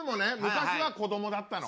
昔は子どもだったの。